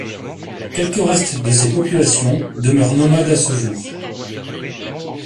Quelques restes de ces populations demeurent nomades à ce jour.